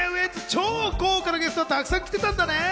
超豪華なゲストがたくさん来てたんだね。